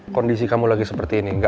kondisi kamu lagi seperti ini